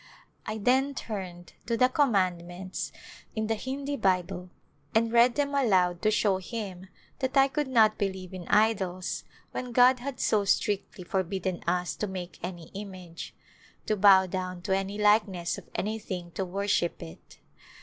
I then turned to the Commandments in the Hindi Bible and read them aloud to show him that I could not believe [ 324] Last Days in idols when God had so strictly forbidden us to make any image, to bow down to any likeness of any thing to worship it.